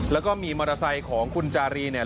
แล้วก็มีมอเตอร์ไซค์ของคุณจารีเนี่ย